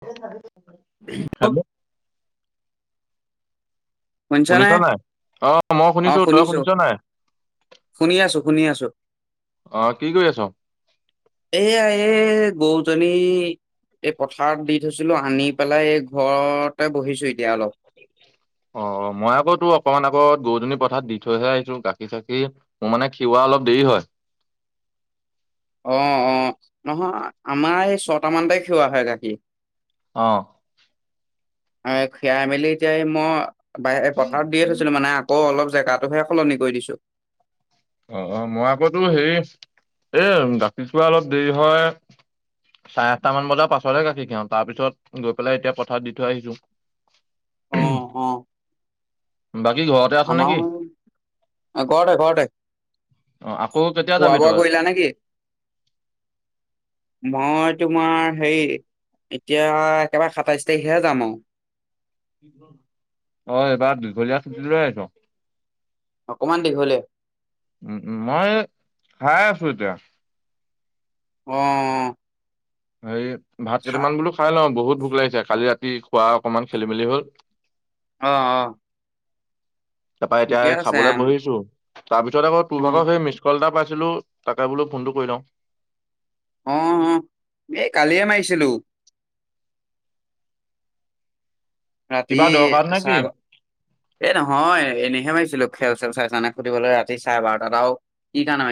স [unintelligible] [inaudible] শুনিছানে? শুনিছ নাই, অ, মই শুনিছো তই শুনিছ নাই? শুনি আছো, শুনি আছো। অঁ, কি কৰি আছ? এয়া, এ, গৰুজনি এই পথাৰত দি থৈছিলো, আনি পেলাই এই ঘৰতে বহিছো এতিয়া অলপ। অ, অ মই আকৌ তো অকমান আকৌ গৰুজননী পথাৰ দি থৈহে আহিছো গাখীৰ চাখিৰ মোৰ মানে খিওৱা অলপ দেৰি হয়। অ, অ, নহয় আমাৰ এই ছটামানতে খুৱাৱা হয় গাখীৰ। [inaudible] অ, খিৰাই মেলি এতিয়া এই মই বাহ পথাৰত দিয়ে থৈছিলো মানে অ, অলপ জেগাটোহে সলনি কৰি দিছো। অ, অ, মই আকতো হেৰি এ ৰাতিপুৱোৱা অলপ দেৰি হয়। চাৰে আঠটা মান বজাৰ পাছতহে গাখীৰ খিই, তাৰ পিছত গৈ পেলাই এতিয়া পথাৰত দি থৈ আহিছো। অ, অ। বাকী ঘৰত আমাৰ ঘৰতে, ঘৰতে। অ, আকৌ কেতিয়া খোৱা যাবি বোৱা তই? কৰিলা নেকি মই তোমাৰ হেৰি এতিয়া একেবাৰে সাতাইছ তাৰিখহে যাম আৰু। অ, এইবাৰ দীঘলীয়া ছুটি লৈ আহিছ। অকমান দীঘলে। উম, উম, মই খাই আছো এতিয়া। অ। হেৰি ভাত কেইটামান বোলো খাই লওঁ, বহুত ভোক লাগিছে কালি ৰাতি খোৱা অকনমান খেলি মেলি হ'ল। অ, অ। তাৰপা, ঠিকে এতিয়া আছে খাবলৈ বহিছো তাৰ পিছত আকৌ তোৰ অ ভাগৰ সেই মিচ কল, এটা পাইছিলো তাকে বোলো ফোনটো কৰি লওঁ। অ, অ এই কালিয়ে মাৰিছিলো। ৰাতি কিবা দৰকাৰ নেকি? চাৰে এ, নহয় এনেইহে মাৰিছিলো খেল চেল চাই চানে সুধিবলৈ ৰাতি চাৰে বাৰটাও। কি কানা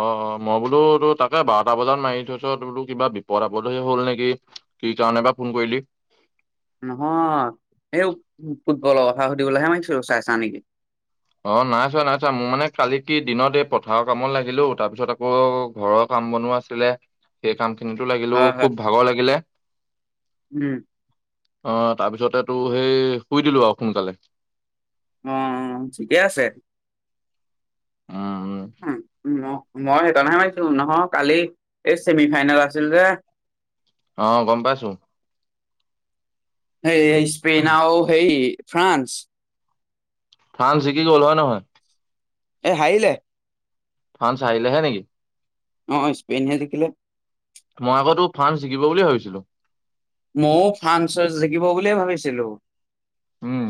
অ, অ মই বোলো তো তাকে বাৰটা বজাত মাৰি থৈছ বোলো কিবা বিপদ আপদহে হ'ল নেকি। কি কাৰণে বা ফোন কৰিলি? নহয়, এই ফুটবলৰ কথা সুধিবলৈহে মানি চাইছা নেকি। অ, নাই চোৱা নাই চোৱা মোৰ মানে কালি কি দিনত এই পথাৰৰ কামত লাগিলো তাৰপিছত আকৌ ঘৰৰ কাম বনোৱা আছে। লে, সেই কাম খিনিতো লাগিলো হয় হয় খুব ভাগৰ লাগিলে। উম অ, তাৰপিছতে তটো সেই শুই দিলো আৰু সোনকালে। অ, ঠিকে আছে। উম, উম, মই সেইকাৰনেহে মাৰিছো, নহয় কালি এই চছেমি ফাইনেল আছিল যে। অ, গম পাইছো। সেই, স্পেইন আ সেই ফ্ৰানস। ফ্ৰান্স জিকি গ'ল হয় নহয়। এ, হাৰি ফ্ৰান্স হাৰিলে হে, নেকি। অ, স্পেইন হে জিকিলে। মই আকৌ তোৰ ফ্ৰান্স জিকিব বুলি ভাবিছিলোঁ। ময়ও ফ্ৰান্সত জিকিব বুলিয়ে ভাবিছিলোঁ। উম।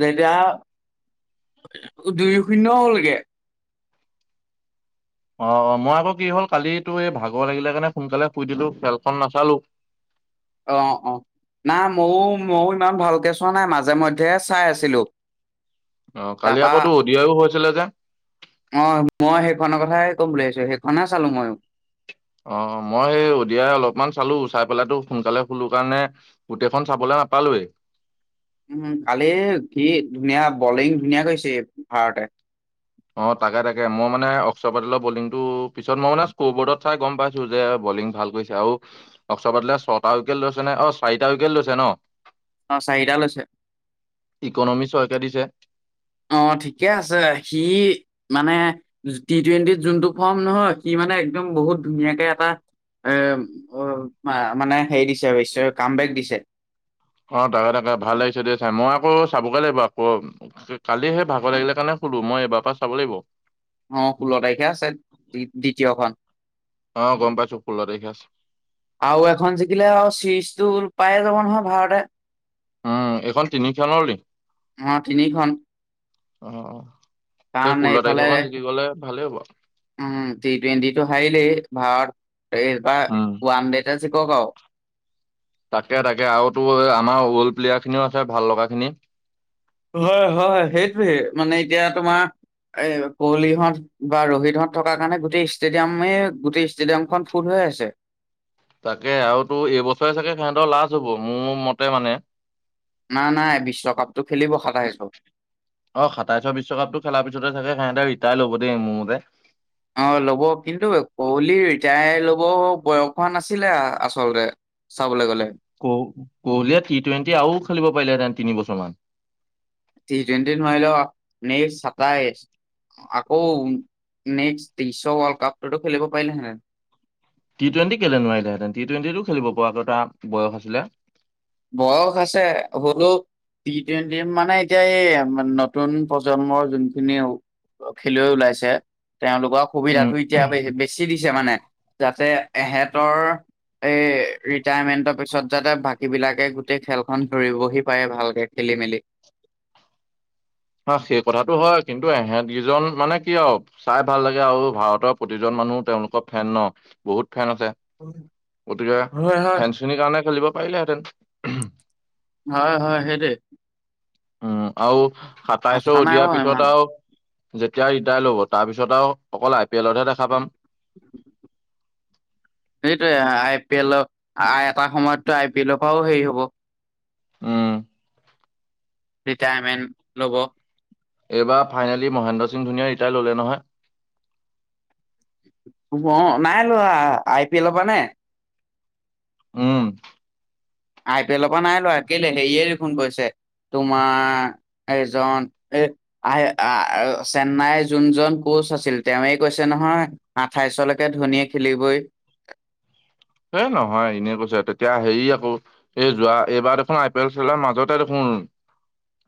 যেতিয়া দুই, শূন্য হ'লগে। অ' মই আকৌ কি হ'ল কালিতো এই ভাগৰ লাগিলে কাৰণে সোনকালে শুই দিলোঁ, খেলখন নাচালোঁ। অ', অ'। নাই ময়ো ময়ো ইমান ভালকে চোৱা নাই, মাজে মধ্যে হে চাই আছিলোঁ। অ' কালি আকৌতো অদিয়াও হৈছিলে যে। অ', মই সেইখনৰ কথাই ক'ম বুলি আহিছো, সেইখননেহে চালো মই। অ' মই সেই অদিয়াই অলপমান চালোঁ, চাই পেলাইটো সোনকালে শুলোঁ কাৰণে গোটেইখন চাবলৈ নাপালোয়েই। উ, কালি কি ধুনীয়া বলিং ধুনীয়া কৰিছে ভাৰতে। অ', তাকে তাকে, মই মানে অক্সৰবাদলৰ বলিংটো পিছত মই মানে স্কৰ বৰ্ডত চাই গম পাইছোঁ যে বলিং ভাল কৰিছে। আৰু অক্সৰপেটেলে ছটা উইকেট লৈছে নে, অ' চাৰিটা উইকেট লৈছে ন'? অ' চাৰিটা লৈছে। ইকনমি ছয়কে দিছে। অ' ঠিকে আছে, সি মানে টি টুৱেণ্টিত যোনটো ফৰ্ম, নহয় সি মানে একদম বহুত ধুনীয়াকে এটা এ, মানে হেৰি দিছে, কাম বেক দিছে। অ' তাকে তাকে ভাল লাগিছে দেই চাই, মই আকৌ চাবগে লাগিব আকৌ। কালিহে ভাগৰ লাগিলে কাৰণে শুলোঁ, মই এবাৰ পৰা চাব লাগিব। অ' ষোল্ল তাৰিখে আছে দ্বিতীয়খন। অ' গম পাইছোঁ ষোল্ল তাৰিখে আছে। আৰু এখন জিকিলে আৰু চিৰিজটো পায়ে যাব নহয় ভাৰতে। উম, এইখন তিনি খেলৰ লিংক, অ তিনিখন অ'। সেই কাৰণ ষোল্ল এইফালে তাৰিখৰখন জিকি গলে ভালেই হ'ব আৰু। উম, টি টুৱেণ্টিটো হাৰিলেই ভাৰত, এইবাৰ উম ওৱান দেতে জিকক আৰু। তাকে তাকে, আৰু তোৰ আমাৰ অল্ড প্লেয়াৰ খিনিও আছে ভাল লগাখিনি। হয় হয় সেইটোৱে, মানে এতিয়া তোমাৰ এই কোৱলিহঁত বা ৰোহিতহঁত থকাৰ কাৰণে গোটেই ষ্টেডিয়ামেই গোটেই ষ্টেডিয়ামখন ফুল হৈ আছে। তাকে আৰু তো এইবছৰে চাগে সিহঁতৰ লাচ হ'ব, মোৰ মতে মানে। নাই নাই বিশ্বকাপটো খেলিব সাতাইশত। অ' সাতাইশত বিশ্বকাপটো খেলাৰ পিছতে থাকে সিহঁতে ৰীতাইৰ ল'ব দেই মোৰ মতে। অ' ল'ব, কিন্তু কহলিৰ ৰীতাইৰ ল'ব বয়স হোৱা নাছিলে আচলতে। চাবলৈ গ'লে। ক-কহলিয়ে টি টুৱেণ্টি আৰু খেলিব পাৰিলেহেতেন তিন বছৰমান। টি টুৱেণ্টি নোৱাৰিলেও নেক্স চাতাইছ আকৌ নেক্সট ত্ৰিশ ৱৰ্ল্ড কপতো খেলিব পাৰিলেহেতেন। টি টুৱেণ্টি কেলে নোৱাৰিলেহেঁতেন? টি টুৱেণ্টিটো খেলিব পৰাক এটাক বয়স আছিলে। বয়স আছে, হ'লেওঁ টি টুৱেণ্টি মানে এতিয়া এই নতুন প্ৰজন্মৰ যোনখিনি খেলুৱৈ ওলাইছে, তেওঁলোকৰ সুবিধা উম, এতিয়া বেছি দিছে মানে, যাতে এহেঁতৰ এই ৰিটায়াৰমেণ্টৰ পিছত যাতে ভা সেইবিলাকে গোটেই খেলখন ধৰিবহি পাৰে ভালকে খেলি মেলি। হা, সেই কথাটো হয়, কিন্তু এহেটকিজন মানে কি আৰু চাই ভাল লাগে আৰু ভাৰতৰ প্ৰতিজন মানুহ তেওঁলোকৰ ফেন ন' বহুত ফেন আছে, গতিকে হয় হয় ফেনছ চিনিৰ কাৰণে খেলিব পাৰিলেহেতেন। হয় হয় সেইটোৱেই। উম, আৰু কথা সাতাইশৰ নাই অদিয়াৰ বাৰু ইমান পিছত আৰু যেতিয়া ৰিটায়াৰ ল'ব তাৰপিছত আৰু অকল আই পি এলতহে দেখা পাম। সেইটোয়ে আই পি এলৰ এটা সময়ততো আই পি এলৰ পৰাও হেৰি হ'ব। উম। ৰিটায়াৰমেণ্ট ল'ব। এইবাৰ ফাইনেলী মহেন্দ্ৰ সিং ধোনীয়ে ৰিটাৰ ল'লে নহয়। অ', নাই লোৱা আই পি এলৰ পৰা নে? উম। আই পি এলৰ পৰা নাই লোৱা কেলে হেৰিয়ে দেখোন কৈছে তোমাৰ এজন এই আহ চেন্নাইৰ যোনজন কোচ আছিল তেৱে কৈছে নহয়। আঠাইশলৈকে ধনীয়ে খেলিবই। এই নহয় এনেই কৈছে তেতিয়া হেৰি আকৌ এই যোৱা এইবাৰ দেখোন আই পি এল খেলাৰ মাজতে দেখোন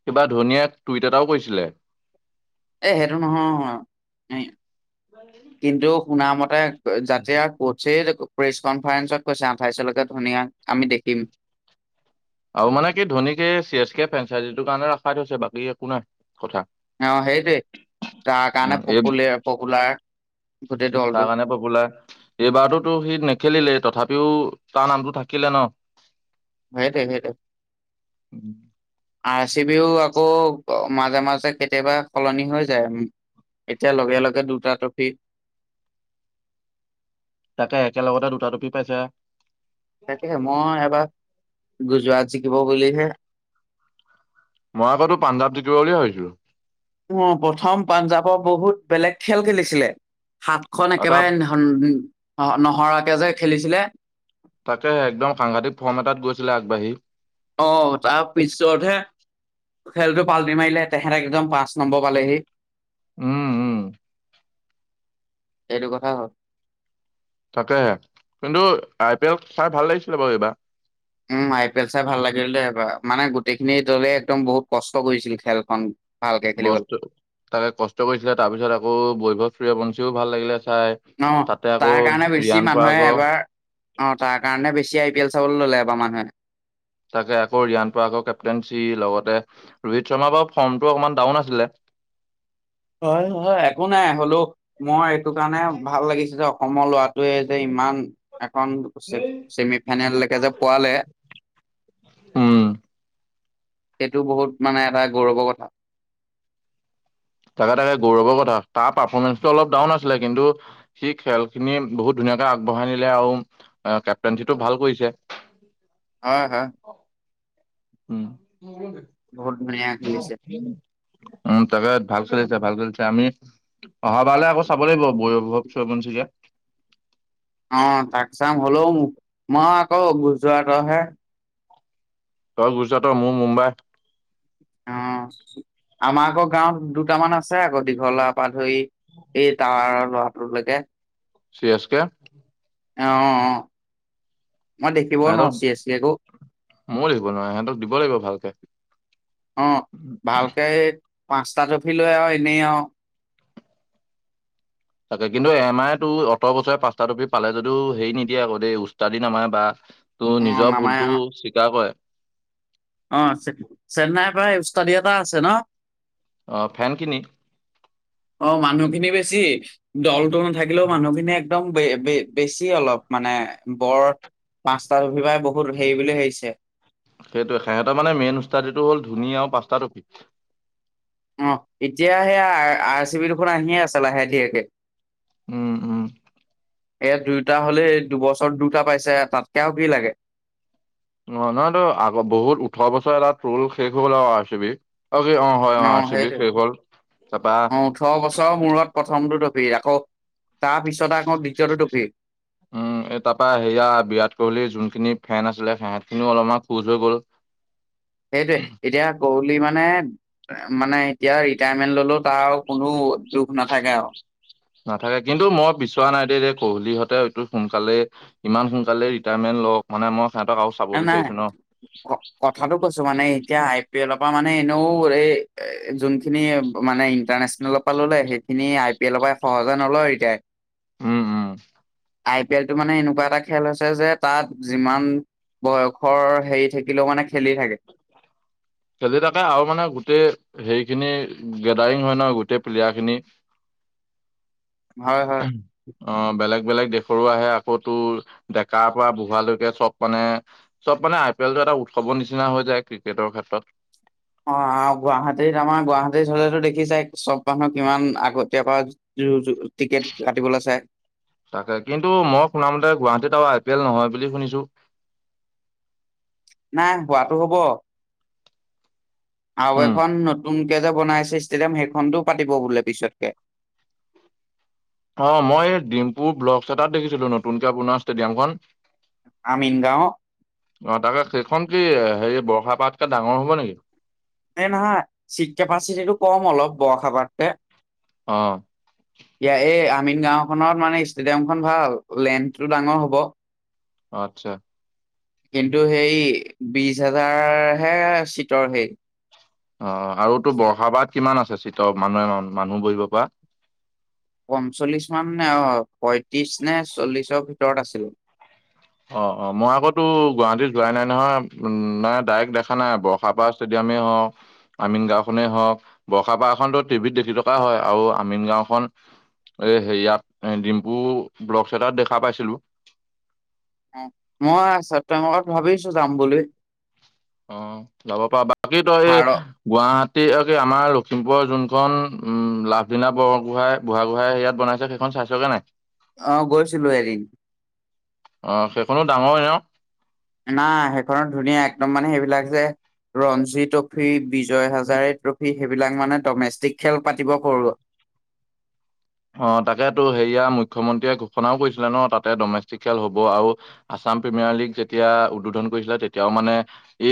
কিবা ধোনীয়ে টুইট এটাও কৈছিলে এই সেইটো নহয় কিন্তু শুনামতে যাতিয়া কছে প্ৰেছ কনফাৰেন্ঞ্চত কৈছে আঠাইছলৈকে ধুনীয়া আমি দেখিম। আৰু মানে কি ধোনীকে চি এছ কে ফ্ৰেনচাইজি কাৰণে আখাই থৈছে বাকী একো নাই কথা। অ', সেইটোৱে তাৰ কাৰণে উম প এই পপুলাৰ গোটেই দলটো তাৰ কাৰণে পপুলাৰ। এইবাৰতো সি নেখেলিলেই তথাপিও তাৰ নামটো থাকিলে ন। সেইটোয়ে, সেইটোয়ে। উম। আৰ চি বিও আকৌ মাজে মাজে কেতিয়াবা সলনি হৈ যায় উম। এতিয়া লগে, লগে দুটা ট্ৰফি। তাতে একেলগতে দুটা ট্ৰপি পাইছে। তাকে মই এবাৰ গুজৰাট জিকিব বুলিহে মই আকৌটো পাঞ্জব জিকিব বুলি ভাবিছিলো। অ', প্ৰথম পাঞ্জাৱৰ বহুত বেলেগ খেল খেলিছিলে সাত খন এটা একেবাৰে নহৰাকে যে খেলিছিলে। তাকে একদম সাংঘাতিক ফৰ্ম এটাত গৈছিলে আগবাঢ়ি। অ', তাৰ পিছতহে। খেলটো পালটি মাৰিলে তেহেতেক একদম পাঁচ নম্বৰ পালেহি। উম, উম। এইটো কথা হ'ল। তাকে কিন্তু আই পি এল চাই ভাল লাগিছিলে বাৰু এইবাৰ। উম, আই পি এল চাই ভাল লাগিল দে এইবাৰ মানে গোটেইখিনি দলে একদম বহুত কষ্ট কৰিছিল খেলখন। ভালকে বস্তু খেলিবলৈ তাকে কষ্ট কৰিছিলে তাৰ পিছত আকৌ বৈভৱ চুৰ বঞ্চীও ভাল লাগিলে চাই। ন তাতে আকৌ তাৰ কাৰণে বেছি ৰিয়ান মানুহে পৰাগৰ এবাৰ। অ', তাৰ কাৰণে বেছি আই পি এল চাবলৈ ল'লে এবাৰ মানুহে। তাকে আকৌ ৰিয়ান পৰাগৰ আকৌ কেপটেনঞ্চি লগতে ৰোহিত শৰ্মাৰ বাৰা ফৰ্মটো অকমান ডাউন আছিলে। হয়, হয় একো নাই হলেও মই এইটো কাৰণে ভাল লাগিছিল যে অসমৰ লৰাটো টোৱে যে ইমান এখন ছেমি ফাইনেললৈকে যে পোৱালে। উম। সেইটো বহুত মানে এটা গৌৰৱৰ কথা। তাকে, তাকে গৌৰৱৰ কথা তাৰ পাৰ্ফৰ্মেন্ঞ্চটো অলপ ডাউন আছিলে কিন্তু। সি খেলখিনি বহুত ধুনীয়াকৈ আগবঢ়াই নিলে আৰু কেপটেনঞ্চিটো ভাল কৰিছে। হয়, হয়। উম। বহুত ধুনীয়া খেলিছে উম, তাকে ভাল কৰিছো ভাল কৰিছে আমি। অহাবাৰলে আকৌ চাব লাগিব [unintelligible] অ', তাক চাম হ'লেও মই আকৌ গুজৰাটৰহে। তই গুজৰাটৰ মোৰ মুম্বাইত। অ', আমাৰ আকৌ গাঁৱত দুটামান আছে আকৌ দীঘলাভ পা ধৰি এই টাৱাৰৰ ল'ৰাটোলৈকে। C S K. অ', অ', অ'। সিহঁতক চিৰিয়াছলি আকৌ ময়ো দিব নোৱাৰো সিহঁতক দিব লাগিব ভালকে। অ', ভালকৈ পাঁচটা ট্ৰফি লৈ আৰু এনেই আৰু। তাকে কিন্তু এম আইতো ওঠৰ বছৰে পাঁচটা ট্ৰফি পালে যদিও হেৰি নিদিয়ে আকৌ দেই উষ্টাদি নামাৰে বা তো অ', নিজৰ নামাই ভুলতো আৰু স্বীকাৰ কৰে। অ', চেন্নাইৰ পৰা ওষ্টাডি এটা আছে ন। অ', ফেনখিনি অ', মানুহখিনি বেছি। দলটো নাথাকিলেও মানুহখিনি একদম বেছি অলপ মানে বৰ পাঁচটা ৰবিবাৰে বহুত হেৰি বুলি ভাবিছে। সেইটোৱে সিহঁতৰ মানে মেইন ওষ্টাডিটো হ'ল ধুনিয়া আৰু পাঁচটা ট্ৰফি অ', এতিয়া সেয়া আৰ চি বি দুখন আহিয়ে আছে লাহে ধিৰেকে। উম, উম। এ দুয়োটা হ'লেই দুবছৰ দুটা পাইছে তাতকে আৰু কি লাগে। অ', নহয়তো আগ বহুত ওঠৰ বছৰ এটা শেষ হ'ব লগা আৰু আৰ চি বি। অ', অ', হয় অ' ছবি শেষ হ'ল। তাৰ পৰা ছয় বছৰৰ মূৰত প্ৰথমটো টফ্ৰি আকৌ তাৰ পিছতে আকৌ দ্বিতীয়টো টফ্ৰি উম, তাৰ পৰা সেয়া বিৰাট কোহলিৰ যোনখিনি ফেন আছিলে সিহঁতখিনিও অলপমান খোজ হৈ গ'ল। [inaudible] সেইটোৱে এতিয়া কুহলি মানে মানে এতিয়া ৰিটায়াৰমেন্ট ললো। তাৰ কোনো দুখ নাথাকে আৰু। নাথাকে কিন্তু মই বিছৰা নাই দেই কোহলিহঁতে এইটো সোনকালেই ইমান সোনকালে ৰিটায়াৰমেণ্ট লওঁক। মানে মই সিহঁতক আৰু চাব নে নাই। বিচাৰিছো ন কথাটো কৈছো মানে এতিয়া আই পি এলৰ পৰা মানে এনেও এই যোনখিনি মানে ইণ্টাৰনেচনেল লগ পালোলে সেইখিনি আই পি এলৰ পৰাই সহজে নলয় এতিয়া। উম, উম। আই পি এলটো মানে এনেকুৱা এটা খেল হৈছে যে তাত যিমান বয়সৰ হেৰি থাকিলেও মানে খেলি থাকে। খেলি থাকে আৰু মানে গোটেই হেৰিখিনি গেডাৰিং হয় ন গোটেই প্লেয়াৰখিনি। [inaudible] হয়, হয়। অ', বেলেগ বেলেগ দেশৰো আহে আকৌতো ডেকাৰ পৰা বুঢ়ালৈকে চব মানে চব মানে আই পি এলটো এটা উৎসৱৰ নিচিনা হৈ যায় ক্ৰিকেটৰ ক্ষেত্ৰত। অ', আৰু গুৱাহাটীত আমাৰ গুৱাহাটী হ'লেতো দেখি চাই চব মানুহ কিমান আগতীয়াকৈ টিকেট কাটিবলৈ চাই। তাকে কিন্তু মই শুনামতে গুৱাহাটীত আৰু আই পি এল নহয় বুলি শুনিছো। নাই হোৱাতটো হ'ব আৰু উম এখন নতুনকে যে বনাই ষ্টেডিয়াম সেইখনতো পাতিব বোলে পিছতকে। অ', মই ডিম্পুৰ ব্লকচ এটাত দেখিছিলো নতুনকে পুণৰ ষ্টেডিয়ামখন। আমিনগাঁও। অ', তাকে সেইখন কি হেৰি বৰ্ষাপাৰতকে ডাঙৰ হ'ব নেকি? এই নহয় চিট কেপাচিটিটো কম অলপ বৰৰ্ষাপাৰতকে। অ'। ইয়াৰ এই আমিন গাঁওখনত মানে ষ্টেডিয়াম খন ভাল লেন্থটো ডাঙৰ হ'ব। অ', আটচ্ছা। কিন্তু সেই বিশ হাজাৰহে চীটৰ সেই অ', আৰু তোৰ বৰ্ষাপাত কিমান আছে চিত মানুহে মানুহ বহিব পৰা? পঞ্চল্লিশ মান নে অ' পয়ত্ৰিশ নে চল্লিশৰ ভিতৰত আছিলে অ' অ' মই আকৌ টোৰ গুৱাহাটীত যোৱাই নাই নহয় নে ডাইৰেক্ট দেখা নাই বৰ্ষাপাৰ ষ্টেডিয়ামে হওঁ আমিন গাওখনেই হওক বৰ্ষাপাৰখনতো টিভিত দেখি থকা হয় আৰু আমিন গাওখন এ হেৰিয়াত এ ডিম্পু ব্লক চাইটাত দেখা পাইছিলো অ', মই আছ ত লগত ভাবিছো যাম বুলি অ', যাব পাৰা বাকী তই এই ভাৰত গুৱাহাটী আৰু আমাৰ লখিমপুৰৰ যোনখন উম লাভলিনা বৰগোহই বুঢ়াগোহাঁই ইয়াত বনাইছে সেই সেইখন চাইচ গে নাই? অ', গৈছিলো হেৰি অঁ সেইখনো ডাঙৰে ন'? না সেইখনত ধুনীয়া একদম মানে সেইবিলাক যে ৰঞ্জী ট্ৰফী বিজয় হাজাৰী ট্ৰফি সেইবিলাক মানে ডমেষ্টিক খেল পাতিব কৰো অ', তাকেতো সেয়া মুখ্যমন্ত্ৰীয়ে ঘোষণাও কৰিছিলে ন' তাতে ডমেষ্টিক খেল হব আৰু আছাম প্ৰিমিয়াৰ লীগ যেতিয়া উদ্বোধন কৰিছিলে তেতিয়াও মানে এই